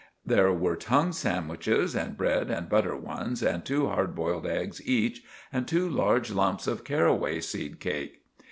There were tongue sandwiches, and bread and butter ones, and two hard boiled eggs each, and two large lumps of carraway seed cake.